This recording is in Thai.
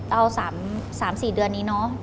เอา๓๔เดือนนี้เนอะ